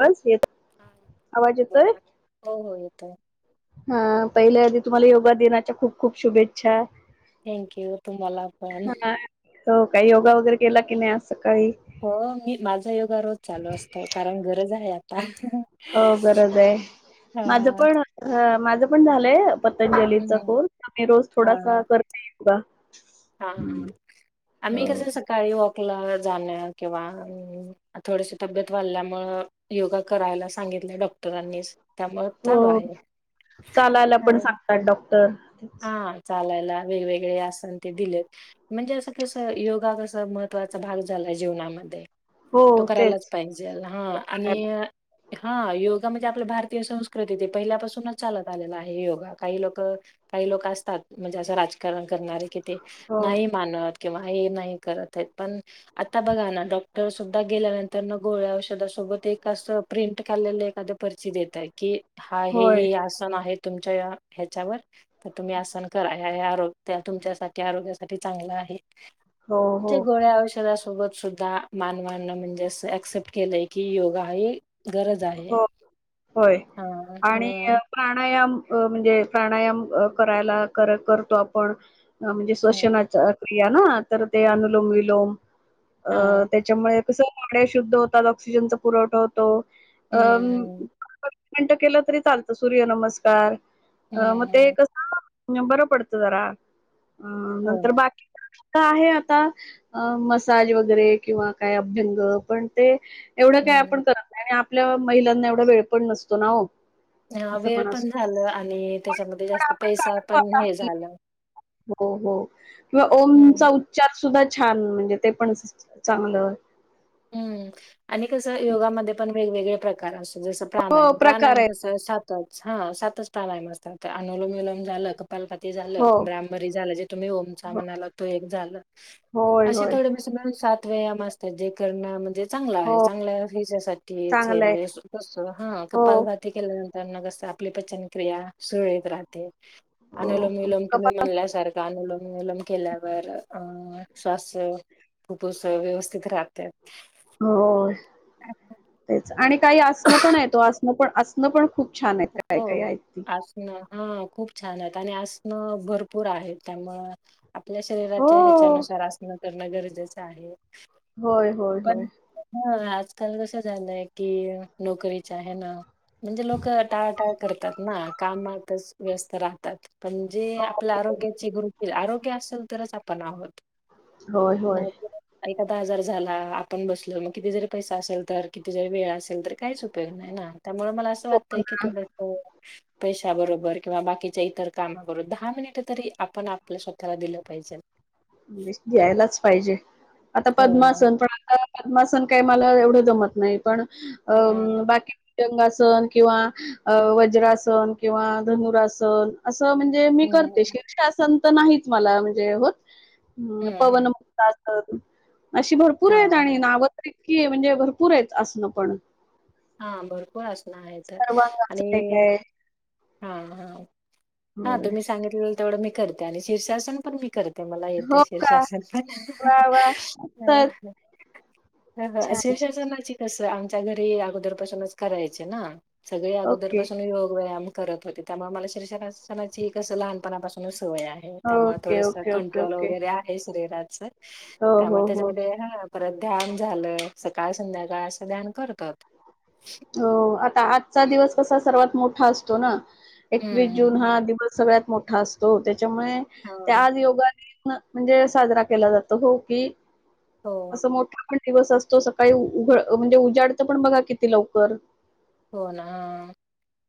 बस येत आवाज येतोय बोला हो हो येतोय हा पहिल्या आधी तुम्हाला योगा दिनाच्या खूप खूप शुभेच्छा थँक्यू तुम्हाला पण हा हो काय योगा वगैरे केला की नाही सकाळी हो मी माझा योगा रोज चालू असतो कारण गरज आहे आता हो गरज आहे माझं हा पण माझं पण झालंय पतंजलीचा हम्म. कोर्स मी रोज हा थोडासा करता ये हा हा आम्ही कस सकाळी जा किंवा थोड तब्येत वाढल्यामुळे योगा करायला सांगित सांगितलंय डॉक्टरांनीच त्यामुळे हो चालू आहे चालायला हा पण सांगतात डॉक्टर हा चालायला वेगवेगळे आसन ते दिलेत म्हणजे असं कसं योगा कस महत्त्वाचा भाग झालाय जीवनामध्ये हो तो करायलाच तेच पाहिजे हा आणि हा योगा म्हणजे आपल्या भारतीय संस्कृती ते पहिल्यापासूनच चालत आलेला आहे योगा काही लोक काही लोक असतात म्हणजे असं राजकारण करणारे कि ते हो नाही मानत किंवा हे नाही करत आहेत पण आता बघा ना डॉक्टर सुद्धा गेल्यानंतर गोळया औषध सोबत एक आस प्रिंट काढलेलं एखादं पर्चि देता की हा हे होय हे आसन आहे तुमच्या या ह्याच्यावर तर तुम्ही आसन करा ह्या ह्या त्या तुमच्यासाठी आरोग्यासाठी चांगलं आहे हो हो जे गोळ्या औषध सोबत सुद्धा मानवांना म्हणजे अस एक्सेप्ट केलंय की योगा हे गरज आहे. हो होय हा आणि हा प्राणायाम अ म्हणजे प्राणायाम करायला करतो आपण म्हणजे हम्म श्वसनाचा या ना तर ते अनुलोम विलोम अ हा त्याच्यामुळे कस ड्या शुद्ध होतात ऑक्सिजनचा पुरवठा होतो अ हम्म मिनटं केलं तरी चालतं सूर्य नमस्कार अ हम्म मग ते हम्म कस बरं पडतं जरा हो नंतर ना बाकी का आहे आता मसाज वगैरे किंवा काय अभ्यंग पण ते एवढं काय हम्म आपण करत नाही आणि आपल्या महिलांना एवढा वेळ पण नसतो ना हो अ असं वेळ असतो पण झाल आणि त्याच्यामध्ये पण जास्त आपण पैसा काढतो पण आता हे हल्ली. झालं हो हो किंवा हम्म ओमचा उच्चार सुद्धा छान म्हणजे ते पण चांगलं हम्म आणि कसं योगामध्ये पण वेगवेगळे प्रकार असत जस हो प्राणायाम प्रकार प्राणायाम कस आहेत सात. सातच प्राणायाम असतात त्यात अनुलोम विलोम झालं कपालपती झालं हो ब्राह्मरी झालं जे तुम्ही ओमचा हो म्हणाला तो एक झालं होय असे होय थोडे सात व्यायाम असतात जे करण म्हणजे चांगला हो आहे चांगल्या चांगलंय याच्यासाठीठीस हा हो कपालभाती केल्या तर म कसं आपली पचनक्रिया सुरळीत राहते हो अनोलम हो विलम तुम्ही कपात म्हणल्यासारखा अनुोलम केल्यावर अ शवास खूपच व्यवस्थित राह हो ते आणि काही असणं पण आहे तो असणं पण असणं पण खूप छान आहेत काय काय हो आहेी आसनं हा खूप छान आहेत आणि आजन भरपूर आहेत त्यामु आपल्या हो शरीराच्या ह्याच्यानुसार आसनं करणं गरजेचं आहे होय होय पण होय ह आजकाल कस झालंय की नोकरीच आहे ना म्हणजे लोक टाटा करतात ना कामातच व्यस्त राहतात पणजे आपल्या आरोग्याची गर आरोग्य असेल तरच आपण आहोत होय होय नाही एखादा हजार झाला आपण बसल मग किती जरी पैसा असेल तर किती जरी वेळ असेल तर काहीच उपयोग नाही ना त्यामुळे मला असं हो वाटत तु पै बरोबर किं बाच्या इतर काम कर दहा मिनिट त आपण आपल्या स्वतःला दिलं पाहिजे. द्यायलाच पाहिजे आता हो पद्मा ना. असन पण आता अद्मासन काही मला एवढं जमत नाही पण अ हम्म. बाकी ासन किंवा वज्रासन किंवा धनुरासन अस म्हणजे मी हम्म. करते शीषासन तर नाहीच मला म्हणजे होत हम् हम्म. पवन हम्म. मुक्ता अस अशी हा, भरपूर आहेत आणि हा. नाव तर कि म्हणजे भरपूर आहे असण पण हा भरपूर असणं आहे तर सर्वांगासन एक आणि आहे हा हा हा होय तुम्ही सांगितलं तेवढ मी करते आणि शीर्षासन पण मी करते ते मला येतं हो का शिर्षासन प वा वा मस्त ह छान शिव छान शासनाची कस आमच्या घरी अगोदर पासूनच करायचे ना सगळे ओके अगोदरपासून योग व्यायाम करत होते त्यामुळे मला श्रीषनाची कसं लहानपणापासून सोय आहे त्यामुळे ओके थोडस ओके ओके कंट्रोल ओके वगैरे आहे शरीराच हो त्या म हो हो त्याच्यामध्ये हा परत ध्यान झालं सकाळ संध्याकाळ असं ध्यान करतात हो आता आजचा दिवस कसा सर्वात मोठा असतो ना हम्म एकवीस हं. जून हा दिवस सगळ्यात मोठा असतो त्याच्यामुळे ते हां. आज योगा म्हणजे साजरा केला जातो हो की हो. असं मोठ पण दिवस असतो सकाळी उघड म्हणजे उजाडत पण बघा किती लवकर हो ना ह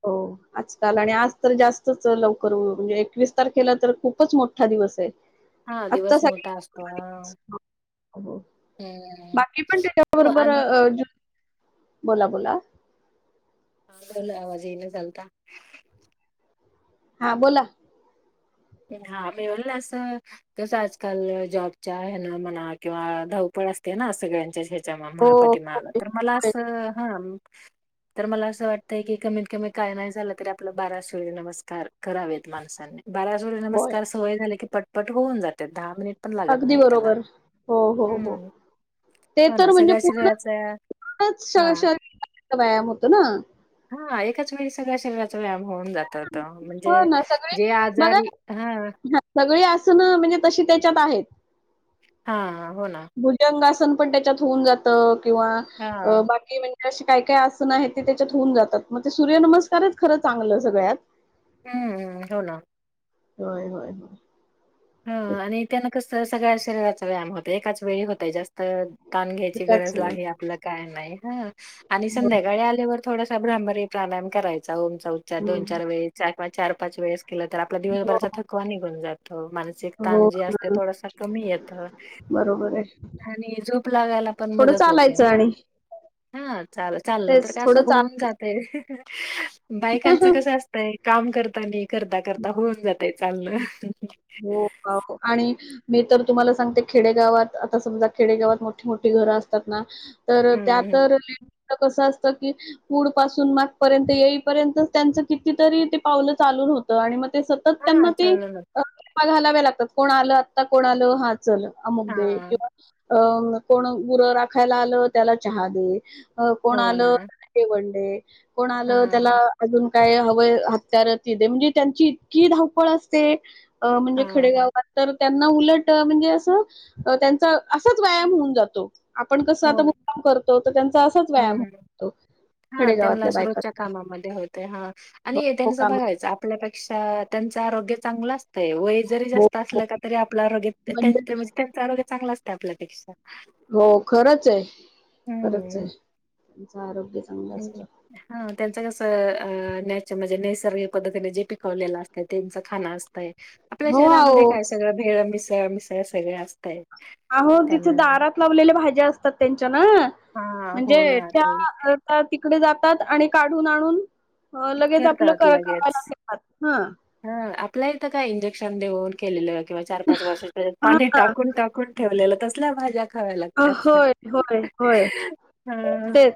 हो आजकाल आणि आज तर जास्तच लवकर म्हणजे एकवीस तारखेला तर खूपच मोठा दिवस आहे हा आजचा दिवस मोठा सगळ्यात असतो ह दिवस बाकी पण हो त्याच्याबरोबर आणि बोला बोला आोल आवाजेन झाचालता हा बोला हा मिळल अस तस आजकाल जॉबच्या ह म्हणा किंवा धावप अस ना हो सगळ्यांच्या्याच्या प्रतिमाला होय तर मला होय अस हा तर मला असं वाटतय की कमीत कमी काय नाही झालं तरी आपलं बारा सूर्य नमस्कार करावेत माणसांनी बारा होय. नमस्कार सोय झाले की पटपट होऊन जाते दहा मिनिट पण लागत अगदी नाहीत त्याला बरोबर हो हो हो हम्म ते हो ना तर म्हणजे सगळ्या पूर्ण शरीराचा हा पूर्ण व्यायाम होतो ना हा एकाच वेळी सगळ्या शरीराचा व्यायाम होऊन जात होत म्हणजे जे आजारी हा सगळी असन म्हणजे तशी त्याच्यात आहेत हा हो ना भुजंगासन पण त्याच्यात होऊन जात किंवा हा बाकी म्हणजे े काय काय आसनं आहे ते त्याच्यात होऊन जातात मग ते सूर्यनमस्कारच खरं चांगलं सगळ्यात हम्म हम्म हो ना होय हय. ह आणि त्यांना कस सगळ्या शरीराचा व्यायाम होतोय एकाच वेळी होतय जास्त. ताण घ्यायची त्याच गरज हो, आहे, आपलं काय नाही ह आणि संध्याकाळी आल्यावर थोडासा भ्रामरी प्राणायाम करायचा, ओमचा उच्चार दोन हं. चार वेळेस, चार पाच वेळेस केलं तर आपला हो, दिवसभराचा थकवा निघून जातो. तसे हो, ताण असते ना. थोडासा कमी आता. बरोबर आहे. आणि झोप लागायला पण थोडं मदत होते चालायचं ना. आणि हा चाल चाललं तर तेच का असं थोडं होऊन चालायचं. जातय बायकांचं कसं असतय? काम करता नि करता करता होऊन जातय चालण हो आणि मी तर तुम्हाला सांगते खेडेगावात आता समजा खेडेगावात मोठी मोठी घर अस तर त्या हम्म तर कस असत की पुढ पासून मागपर्यंत येईपर्यंत त्यांच कितीतरी ते पावलं चालू होत आणि मग ते सतत हा त्यांना ते चाललं फेऱ्या घालाव्या लागतात कोण आलं आता कोण आलं हा चल अमुक दे हा किंवा अ कोण गुरं राखायला आलं त्याला चहा दे, हो कोण आलं ना त्याला जेवण दे कोण हा आलं त्याला अजून काय हव हत्यार ती दे, म्हणजे त्यांची इतकी धावपळ असते अ म्हणजे हा हा खडेगावात तर त्यांना उलट म्हणजे असं त्यांचा असाच व्यायाम होऊन जातो. आपण कसं हो आता ना मुक्काम करतो, तर त्यांचा असाच व्यायाम हम्म होऊन जातो. हा त्यांना रोजच्या कामामध्ये होते हा हो आणि हो त्यांच कामा बघायचं आपल्या पेक्षा त्यांचं आरोग्य चांगलं असतं वय जरी हो जास्त हो असलं का तरी आपलं आरोग्य त्यां म्हणजे त्यांच आरोग्य चांगलं असत आपल्यापेक्षा. हो खरंच आहे खरच हम्म आहे त्यांचा आरोग्य चांगलं असत. नच म्हणजे नैसर्गिक पद्धतीने जे पिकवलेलं असत. त्यांच खाना असतय आपल्या हो आहो शहरामध्ये काय सगळं भेळ मिसळ मिसळ सगळ असतय. अहो तिथे दारात लावलेल्या भाज्या असतात त्यांच्या हा हो म्हणजे ना त्या ते त्या तिकडे जातात आणि काढून आणून अ लगेच आपलं करतात लगेच करायला गेतात ह हा आपल्या इथं का इंजेक्शन देऊन केलेलं किंवा चार पाच वर्षा पाणी हा टाकून टाकून ठेवलेलं तसल्या भाज्या खाव्या लागतात. होय होय होय अ तेच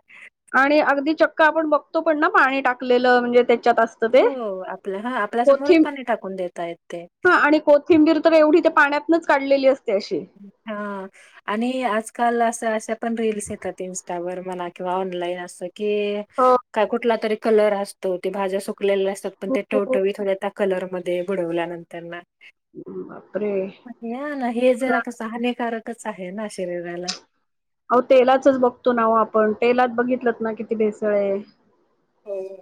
आणि अगदी चक्क आपण बघतो पण ना पाणी टाकलेलं म्हणजे त्या हो आपल्या हा आपल्या समोरच कोथं पाणी टाकून देतायेत ते. आणि कोथिंबीर तर एवढी पाण्यात च काढलेली असते. अशी हा आणि आजकाल असं अशा पण रील्स येतात इनस्टावर म्हणा कि ऑनलाईन अस की हो काय कुठला तरी कलर असतो, ते भाज्या सुकलेल्या असतात पण हो ते हो. टवटवी थोड्या कलर मधे बुडवल्यानंतरना हम्. ना हे जरा असं हानिककच आहे ना शरीराला. आओ तेलाचच बघतो ना आपण तेलात बघितलंत ना किती भेसळ आहे. होम्.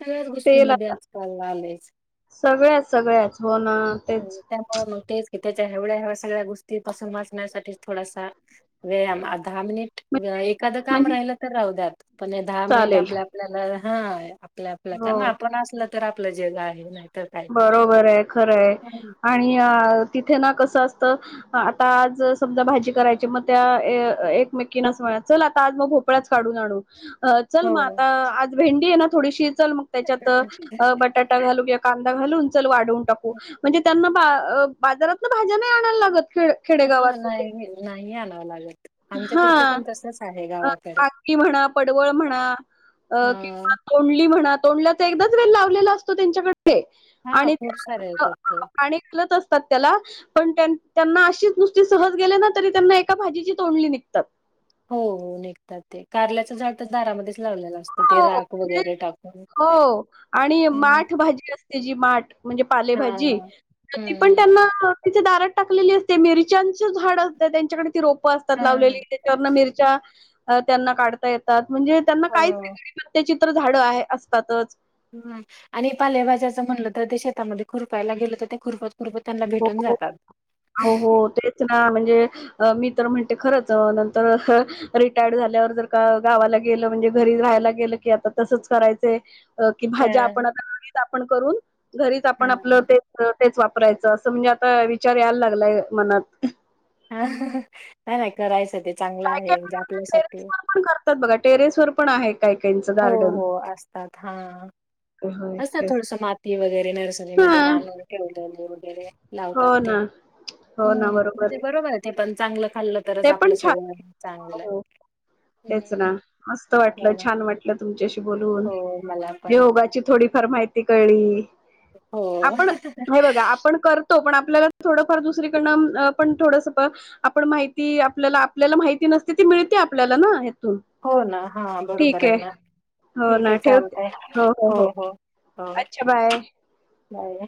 सगळ्याच गोष्टी तेल मधे आता आजकाल आले. सगळ्याच सगळ्याच हो ना तेच त्यामुळे मग तेच एवढ्या् सगळ्या गोष्टी पासून वाचण्यासाठी थोडासा वेळ दहा मिनिट म्हण एखादं काम म्हणजे राहिलं तर राहूं द्यात पण दहा मिनिट चालेल आपल्या आपल्याला हा आपल्या आपल्या कारण हो आपण असलं तर आपलं जग आहे नाहीका? बरोबर आहे खरं आहे आणि अ.... तिथे ना कसं असतं आता आज समजा भाजी करायची मग त्या एकमेकीना अस... चल आता आज मग भोपळ्याच काढून आणू.... चल मग हो आता आज भेंडी आहे ना थोडीशी चल मग त्याच्यात बटाटा घालू कि... घालून वाटून टाकू म्हणजे त्यांना बाजारात भाज्या नाही आणायला लागत.. खेड खेडेगावात हा वगैरे नाही नाही आणावं लागत आमच्या तिकडें पण तस.... अ का म्हणा पडवळ म्हणा हा किंवा तोंडली म्हणा तोंडला... एकदाच वे लावलेला असतो त्यांच्याकडे हा आनि.... खूप सारे येतात ते. णना अु त्यांजी.... तोंडली निघतात... हो हो निघतात ते कारल्याचं झाडच दारामध्येच लावलेलं असत... हो म्हणे हो आणि हम्म. माठ भाजी असते जी माठ... म्हणजे पालेभाजी हां. ती पण हं, त्यांना... तिथे दारात टाकलेली असते मिरच्याच झाड असतं त्यांच्याकडे ती रोप.. असतात लावलेली हां. त्याच्यावर मिरच्या त्यांना काढता येतात म्हणजे त्यांना काय... हो. प्र त्या चित्र झाडं आहे असतातच.. हम् आणि पालेभाज्याच म्हणलं तर ते शेतामध्ये खुरपायला गेल तर ते खुरपा... हो हो तेच ना म्हणजे मी तर म्हनते खरच नंतर रिटायर्ड झाल्यावर जर का गावाला गेलं म्हणजे घरी राहायला गेलं की आता... तसच करायचं... की भाज्या आपण कळलं. आता घरीच आपण करून घरीच आपण आपलं हां. तेच वापर... वापरायच असं म्हणजे आता विचार यायला लागलाय मनात हा नाही नाही करायचं ते चांगलं काय काय आहे म्हणजे टेरेस आपल्यासाठी.. वर पण करतात बघा टेरेस वर पण आहे काय काच हो, गार्डन... होय असत तेच थोडस माती वगैरे हा नर्सरीमध्ये नान ठेवलेले वगैरे... हो लावतात ते ना ह् म्हे बरोबर आहे ते पण... चांगलं खाल्लं तरच ते आपलं पण छान सगळ आहे. हो चांगलं आहे... हो तेच ना मस्त वाटलं छान वाटलं तुमच्याशी... बोलून हो मला पण. योगाची थोडीफार माहिती कळली... हो. आपण हे बघा आपण करतो पण... आपल्याला थोडंफार दुसरीकडनं पण थोडस आपण मा... ती आपल्याला आपल्याला माहिती नसते ती मिळते आपल्याला ना... हो ना हा बरोबर आहे ना... ठीक आहे चालतय हो हो हो.... अच्छा बाय नाही....